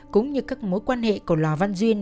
cũng như các mối quan hệ của lò văn duyên